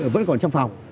vẫn còn trong phòng